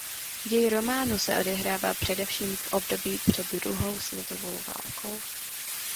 Děj románu se odehrává především v období před druhou světovou válkou.